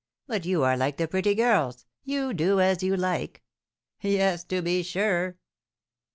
But you are like the pretty girls, you do as you like." "Yes, to be sure."